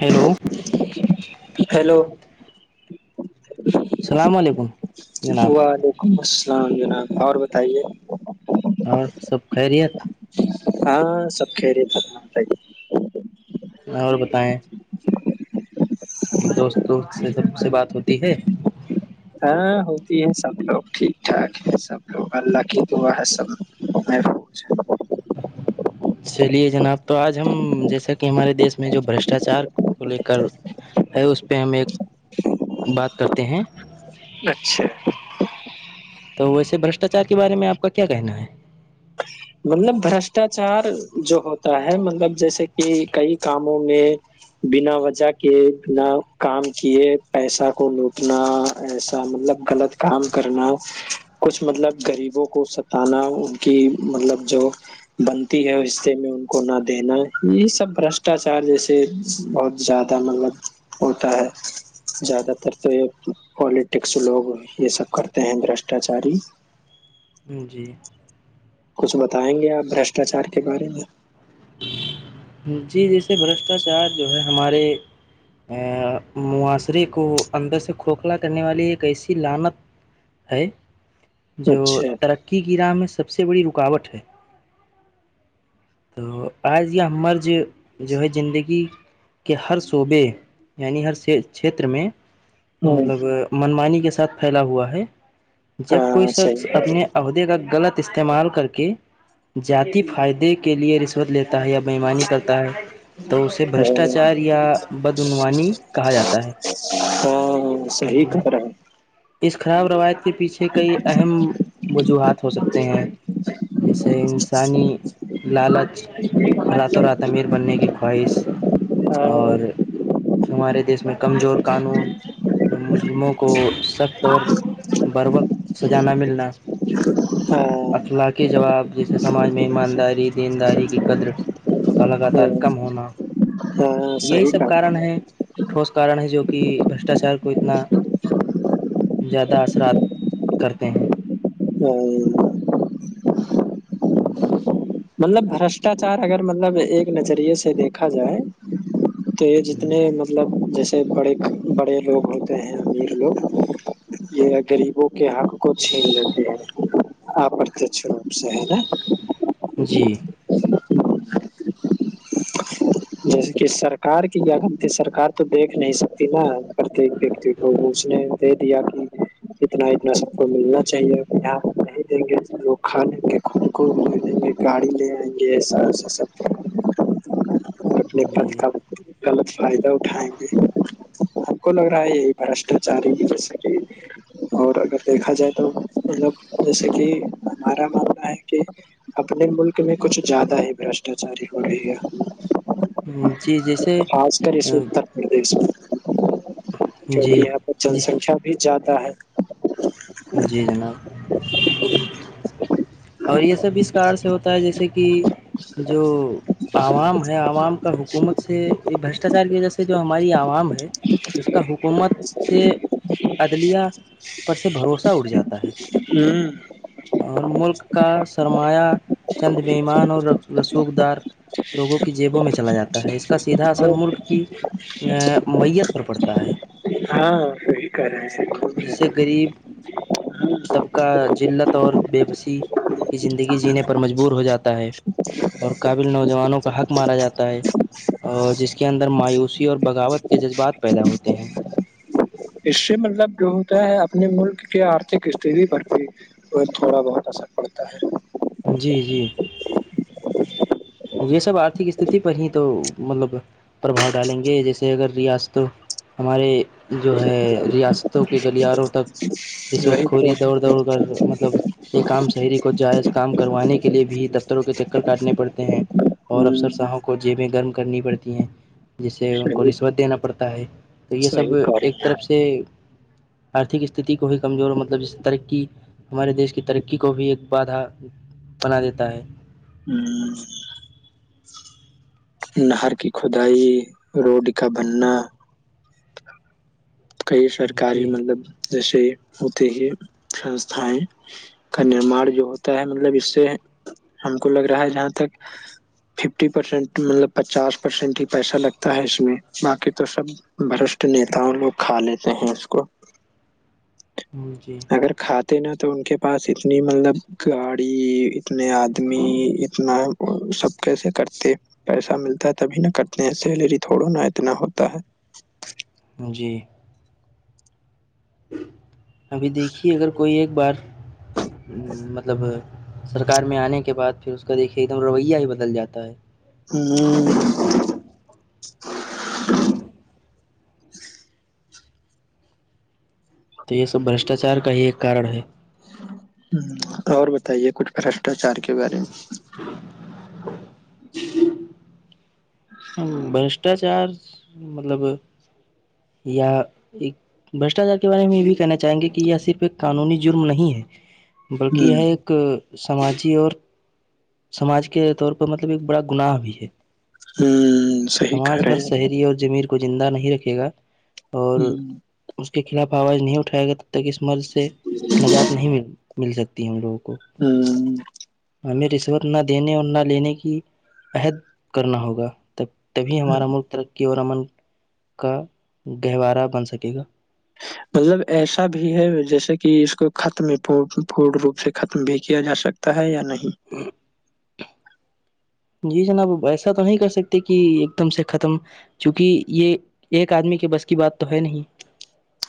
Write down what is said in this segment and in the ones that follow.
Hello hello السلام علیکم جناب وعلیکم السلام جناب اور بتائیے اور سب خرییت ہاں سب خری تھات اور بتائیں دوستوں سے سب سے بات ہوتی ہے ہاں ہوتی ہے سب لوگ ٹھیک ٹھاک ہے سب لوگ اللہ کی دعا ہے سبوگ [inaudible] [inaudible] چلیے جناب تو آج ہم جیسا کہ ہمارے دیس میں جو بشٹاچار کو لے کر ہے اس پہ ہم ایک بات کرتے ہیں اچھا تو ویسے برشٹاچار کے بارے میں آپ کا کیا کہنا ہے مطلب برشٹاچار جو ہوتا ہے مطلب جیسے کہ کئی کاموں میں بنا وجہ کے بنا کام کیے پیسہ کو لوٹنا ایسا مطلب غلط کام کرنا کچھ مطلب غریبوں کو ستانا ان کی مطلب جو بنتی ہے حتے میں ان کو نہ دینا یہ سب بشٹاچار جیسے بہت زیادہ مطلب ہوتا ہے زیادہ تر تو پالٹکس لوگ یہ سب کرتے ہیں برشٹاچاری جی کچھ بتائیں گے آپ برشٹاچار کے بارے میں جی جیسے برشٹاچار جو ہے ہمارے معاشرے کو اندر سے کھوکھلا کرنے والی ایک ایسی لنت ہے جو اچھا ترقی کی راہ میں سب سے بڑی رکاوٹ ہے تو آج یہ ہمر جو جو ہے زندگی کہ ہر صعبے یعنی ہر چھیتر میں ہ مطلب منمانی کے ساتھ پھیلا ہوا ہے جب کوئی ہاں صحیح شخص کر اپنے کا غلط استعمال کر کے جذاتی فائدے کے کے لیے رشوت لیتا ہے یا بےمانی کرتا ہے تو اسے برشٹاچار یا بدعنوانی کہا جاتا ہے ہاں صحی خبرا [unintelligible] اس خراب روایت کے پیچھے سے کئی اہم وجوہات ہو سکتے ہیں جیسے انسانی لالچ رات و رات امیر بننے کی خواہش ہاں اور ہمارے دیس میں کمزور قانون مجرموں کو سخت اور بروقت سجانا ملنا ہاں اخلا کے جواب جیسے سماج میں ایمانداری دینداری کی قدر کا لگاتار ہاں کم ہونا ہاں یہی صحیح سب کارن ہے ٹھوس کارن ہے جو کہ بشٹاچار کو اتنا [unintelligible] زیادہ اثرات کرتے ہیں ہاں اورد [unintelligible] مطلب بھرشٹاچار اگر مطلب ایک نظریے سے دیکھا جائے تو یہ جتنے م مطلب جیسے بڑے بڑے لوگ ہوتے ہیں امیر لوگ یہ غریبوں کے حق کو چھین لیتے ہیں آتچ روپ سے ہے نا جی [unintelligible] ا [inaudible] جیسے کہ سرک کی کیا گمتی سرکار تو دیکھ نہیں سکتی نا پرتیک ویکتی کو اس نے دے دیا کہ اتنا اتنا سب کو ملنا چاہیے یہ نہیں دیں گے لگ کھان لیں گے ہم کو دیںے گاڑی لے آئیں گے ایسا ایسا سب اپنے پس جی کا غلط فائدہ اٹھائیں گے حک لگ رہا ہے یہی برشٹاچاری جیسے کہ اور اگر دیکھا جائے تو ملوگ جیسے کہ ہمارا ماننا ہے کہ اپنے ملک میں کچھ زیادہ ہی برشٹاچاری ہو رہی ہے جی جیسے خاس کرری سوت پردش میں کیوںکہ جی یہاں پر جن جی سنکھیا بھی زیادہ ہے جی جناب [unintelligible] اور یہ سب اس کار سے ہوتا ہے جیسے کہ جو عوام ہے عوام کا حکومت سے یہ بشٹاچار کی وجہ سے جو ہماری عوام ہے ہے اس کا حکومت سے عدلیہ پر بھروسہ اٹھ جاتا ہے [unintelligible] اور ملک کا سرمایہ چند ممان اور رسوخ دار لوگوں کی جیبوں میں چلا جاتا ہے اس کا سیدھا اثر ہوں ملک کی میت پر پڑتا ہے [unintelligible] ہاں صی کر رہا ہیں س [unintelligible] جس سے غریب طبقہ جلت اور بے بسی کی زندگی جینے پر مجبور ہو جاتا ہے اور قابل نوجوانوں کا حق مارا جاتا ہے اور جس کے اندر مایوسی اور بغاوت کے جذبات پیدا ہوتے ہیں اس سے مطلب جو ہوتا ہے اپنے ملک کے آرتھک استتی پر بھی اور تھوڑا بہت اثر پڑتا ہے جی جی [unintelligible] یہ سب آرتھک استتی پر ہی تو مطلب پرباؤ ڈالیں گے جیسے اگر ریاست ہمارے جو ہے ریاستوں کے گلیاروں تک جس وقت وہی تو کھوری دوڑ دوڑ کر مطلب- یہ کام شہری کو جائز کام کروانے کے لیے بھی دفتروں کے چکر کاٹنے پڑتے ہیں- اور ہ افسرساہوں کو جیبیں گرم کرنی پڑتی ہیں جس سے ان کو صحیح رشوت دینا پڑتا ہے- تو یہ سب صحیح کر ایک رہے طرف سے- آرتک استھتی کو بھی کمزور مطلب جیس ترقی ہمارے دیش کی ترقی کو بھی ایک بادھا- بنا دیتا ہے- ہوں نہر کی کھدائی روڈ کا بننا- کئی سرکاری جی مطلب جیسے ہوتے ہی سستھایں- کا نرماار جو ہوتا ہے مطلب اس سے ہم کو لگ رہا ہے جہاں تک- ففٹی پرسینٹ مطلب پچاس پرسینٹ ہی پیسہ لگتا ہے اس میں باقی تو سب- برشٹھ نیتاؤ لوگ کھا لیتے ہیں اس کو- ہ جی - اگر کھاتے نا تو ان کے پاس اتنی مطلب گاڑی اتنے آدمی اتنا- سب کیسے کرتے پیسہ ملتا ہے تبھی ن کرتے ہیں سیلری تھوڑو نا اتنا ہوتا ہے- جی- ابھی دیکھیے اگر کوئی ایک بار مطلب- سرکار میں آنے کے بعد پھر اس کا دیکھیے ایک دم رویہ ہی بدل جاتا ہے- ہوں ہ تو یہ سب برشٹاچار کا ہی ایک کارن ہے- ہ اور بتائیے کچھ برشٹاچار کے بارے میں- [inaudible] ہ بشٹاچار مطلب یا ایک- بشٹاچار کے بارے میں یہ بھی کہنا چاہیں گے کہ یہ صرف ایک قانونی جرم نہیں ہے- بلکہ یہ ہوں ایک سماجی اور- سماج کے طور پر مطلب ایک بڑا گناہ بھی ہے- ہوں صحیح کہہ سماج رہے ہر ہیں شہری اور جمیر کو زندہ نہیں رکھے گا- اور ہوں اس کے خلاف آواز نہیں اٹھائے گا تب تک اس مرض سے نجات نہیں مل- مل سکتی ہے ہم لوگوں کو- ہوں- ہمیں رشوت نہ دینے اور نہ لینے کی عہد کرنا ہوگا تب- تبھی ہمارا ہوں۔ ملک ترقی اور امن کا گہوارہ بن سکے گا - مطلب ایسا بھی ہے جیسے کہ اس کو ختم پور روپ سے ختم بھی کیا جا سکتا- تا ہے یا نہیں پر جی جناب ایسا تو نہیں کر سکتے کہ ایک دم سے ختم- چونکہ یہ ایک ادمی کے بس کی بات تو ہے نہیں-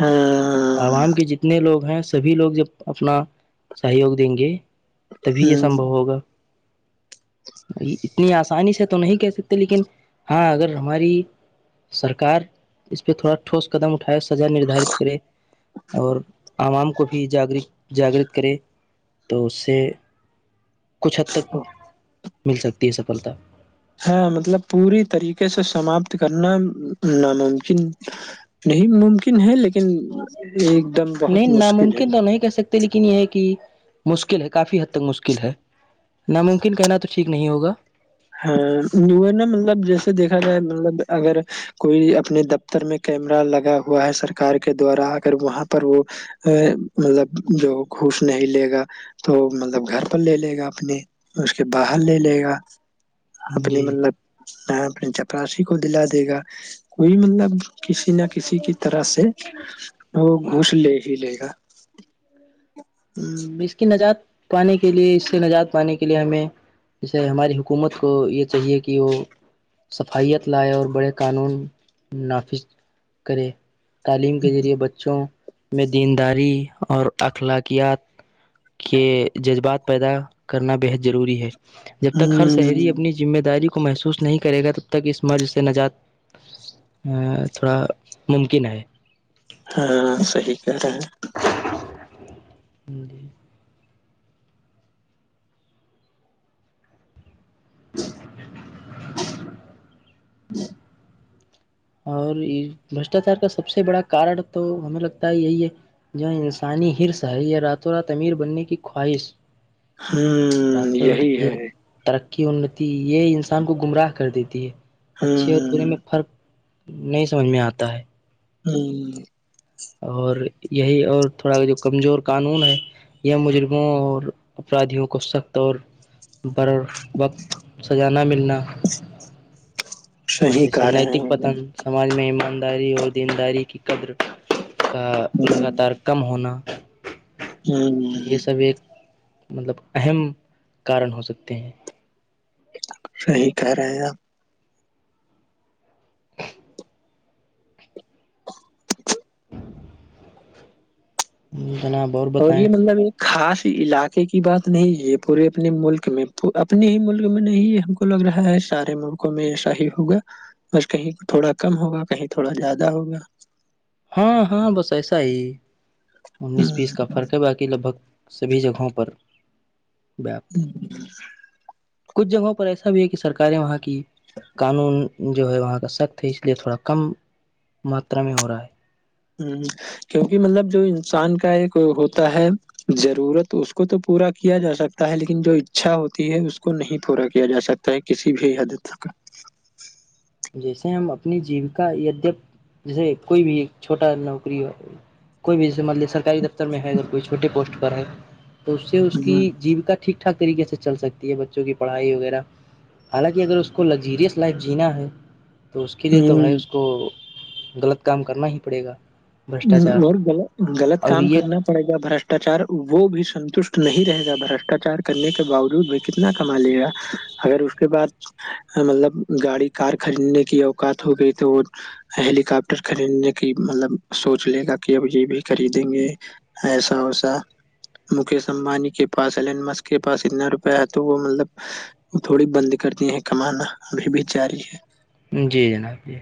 ہاں- عوام کے جتنے لوگ ہیں سبھی لوگ جب اپنا سہیوگ دیں گے- تبھی یہ ہ سمبو ہوگا- اتنی آسانی سے تو نہیں کہہ سکتے لیکن ہاں اگر ہماری- سرکار اس پہ تھوڑا ٹھوس قدم اٹھائے سزا نردھارت کرے اور- عوام کو بھی جاگرک- جاگرت کرے تو اس سے- کچھ حد تک مل سکتی ہے سفلتا- ہاں مطلب پوری طریقے سے سماپت کرنا ناممکن- نہیں ممکن ہے لیکن ایک- دم بہت نہیں مشکل ہے ناممکن تو نہیں کہہ سکتے- لیکن یہ ہے کہ مشکل ہے کافی حد تک مشکل ہے ناممکن کہنا تو- ٹھیک نہیں ہوگا ہاں وہ ہے نا مطلب جیسے دیکھا جائے مطلب اگر کوئی اپنے استر میں کیمرا لگا ہوا ہے سرکار کے دوارا اگر وہاں پر وہ مطلب جو گوف نہیں لے گا تو مطلب گھر پر لے لے گا اپنے اس کے باہر لے لے گا اپنی جی مطلب اپنی چپراسی کو دلا دے گا کوئی مطلب کسی نہ کسی کی طرح سے وہ گھوس لے ہی لے گا اس کی نجات پانے کے لیے اس سے نجات پانے کے لیے ہمیں جیسے ہماری حکومت کو یہ چاہیے کہ وہ صفائیت لائے اور بڑے قانون نافذ کرے تعلیم کے ذریعے بچوں میں دینداری اور اخلاق کے جذبات پیدا کرنا بہد ضروری ہے جب تک ہر ہ شہری اپنی ذمہ داری کو محسوس نہیں کرے گا تب تک اس مرض سے نجات تھوڑا ممکن ہے ہاں صحیح کہہ رہا ہیں [inaudible] [inaudible] [inaudible] اور بشٹاچار کا سب سے بڑا کار تو ہمیں لگتا ہے یہی ہے جو انسانی حرص ہے یا راتوں رات امیر بننے کی خواہش ہ رات یہی یہ ہے ترقی اورنتی یہ انسان کو گمراہ کر دیتی ہے ہ اچھے اور برے میں فرق نہیں سمجھ میں آتا ہے ہوں اور یہی اور تھوڑا جو کمزور قانون ہے یہ مجرموں اور اپرادھیوں کو سخت اور پر وقت سزا نہ ملنا صحیح کہہ رہے ہیں ممال میں ایمانداری اور دینداری کی قدر کا لگاتار کم ہونا ہوں یہ سب ایک مطلب اہم کارن ہو سکتے ہیں صحیح کہہ رہے ہیں آپ جناب اور یہ مطلب یہ خاص علاقے کی بات نہیں ہے یہ پورے اپنے ملک میں اپنے ہی ملک میں نہیں ہے ہم کو لگ رہا ہے سارے ملکوں میں ایسا ہی ہوگا بس کہیں تھوڑا کم ہوگا کہیں تھوڑا زیادہ ہوگا ہاں ہاں بس ایسا ہی ہوں، انیس بیس کا فرق ہے باقی لگ بھگ سبھی جگہوں پر ہے [inaudible] کچھ جگہوں پر ایسا بھی ہے کہ سرکارے وہاں کی قانون جو ہے وہاں کا اس لیے تھوڑا کم ماترا میں ہو رہا ہے کیونکہ مطلب جو انسان کا ایک ہوتا ہے ضرورت اس کو تو پورا کیا جا سکتا ہے لیکن جو اکچھا ہوتی ہے اس کو نہیں پورا کیا جا سکتا کسی بھی حدد تک جیسے ہم اپنی جیوکا دپ جیسے کوئی بھی چھوٹا نوکری ہو کوئی بھی جیسے مطلب سرکاری دفتر میں ہے اگر کوئی چھوٹے پوسٹ پر ہے تو اس سے اس کی جیو‌ کا ٹھیک ٹھاک طریقے سے چل سکتی ہے بچوں کی پڑھائی وغیرہ حالانکہ اگر اس کو لگزیریئس لائف جینا ہے تو اس کے لیے تو ہ بھائی اس کو غلط کام کرنا ہی پڑے گا بھرشٹاچار اور غلط اور کام یہ کرنا پڑے گا بشٹاچار وہ بھی سنتوشٹ نہیں رہے گا برشٹاچار کرنے کے باوجود کتنا کما لے گا اگر اس کے بعد مطلب گاڑی کار خریدنے کی اوقات ہو گئی تو ہیلی کاپٹر خریدنے کی مطلب سوچ لے گا کہ اب یہ بھی خریدیں گے ایسا وسا مکیش امبانی کے پاس الین مس کے پاس اتنا روپیہ ہے تو وہ مطلب وہ تھوڑی بند کر دی ہیں کمانا ابھی بھی جاری ہے جی جناب جی